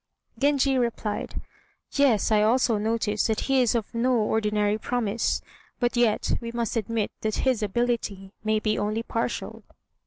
Genji replied, "Yes, I also notice that he is of no ordinary promise; but yet we must admit that his ability may be only partial."